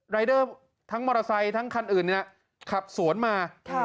รายเดอร์ทั้งมอเตอร์ไซค์ทั้งคันอื่นขับสวนมา